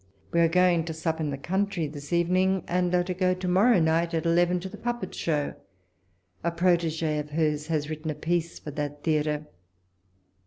We are going to sup in the country this evening, and are to go to morrow night at eleven to the puppet show. A prottge. of hers has written a piece for that theatre.